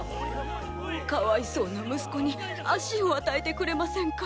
かわいそうな息子に足を与えてくれませんか？